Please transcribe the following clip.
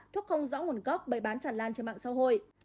thuốc không rõ nguồn gốc bày bán tràn lan trên mạng xã hội